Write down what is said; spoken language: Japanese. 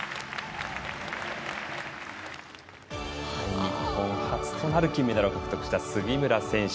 日本初となる金メダルを獲得した杉村選手。